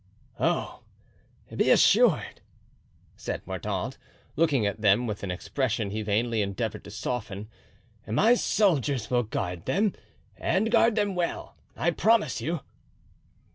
"Oh, be assured," said Mordaunt, looking at them with an expression he vainly endeavoured to soften, "my soldiers will guard them, and guard them well, I promise you."